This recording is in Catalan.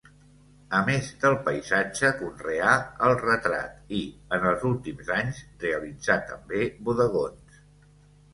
A més del paisatge, conreà el retrat i, en els últims anys, realitzà també bodegons.